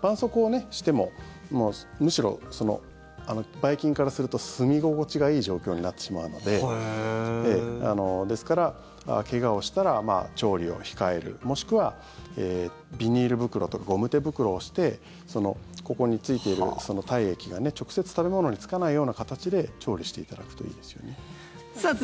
ばんそうこうをしてもむしろ、ばい菌からするとすみ心地がいい状況になってしまうのでですから、怪我をしたら調理を控えるもしくはビニール袋とかゴム手袋をしてここについている体液が直接食べ物につかないような形で調理していただくといいですよね。